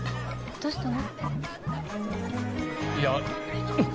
どうしたの？